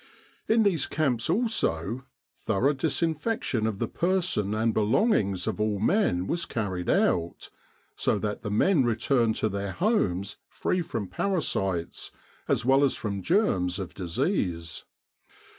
In these camps also, thorough disinfection of the person and belongings of all men was carried out, so that the men returned to their homes free from parasites, as well as from germs of disease.